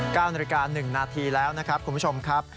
๙นาฬิกา๑นาทีแล้วนะครับคุณผู้ชมครับ